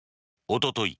おととい